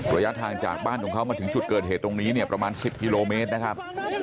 ระยะทางจากบ้านของเขามาถึงจุดเกิดเหตุตรงนี้เนี่ยประมาณ๑๐กิโลเมตรนะครับ